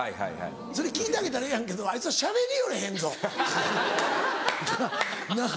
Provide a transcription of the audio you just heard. それ聞いてあげたらええやんけどあいつらしゃべりよれへんぞ。なぁ